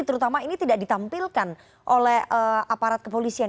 terutama ini tidak ditampilkan oleh aparat kepolisian